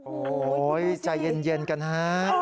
โอ้โหใจเย็นกันฮะ